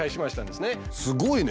すごいね。